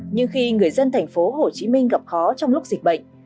nhưng khi người dân thành phố hồ chí minh gặp khó trong lúc dịch bệnh